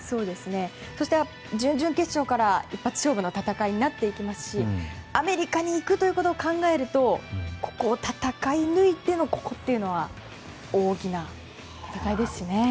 そして準々決勝から一発勝負の戦いになっていきますしアメリカに行くということを考えるとここを戦い抜いてのここというのは大きな戦いですしね。